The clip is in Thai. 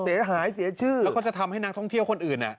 เสียหายเสียชื่อแล้วก็จะทำให้นักท่องเที่ยวคนอื่น